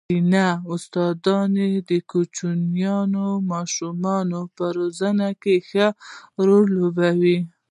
ښځينه استاداني د کوچنيو ماشومانو په روزنه ښه رول لوبوي.